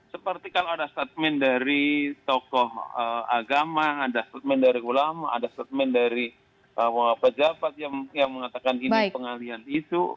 seperti kalau ada statement dari tokoh agama ada statement dari ulama ada statement dari pejabat yang mengatakan ini pengalian isu